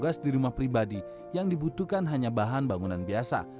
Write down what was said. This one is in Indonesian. tugas di rumah pribadi yang dibutuhkan hanya bahan bangunan biasa